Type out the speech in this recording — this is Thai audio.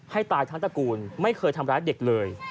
ให้ตายทั้งตระกูลไม่เคยทำร้ายเด็กเลย